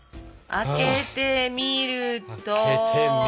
開けてみると。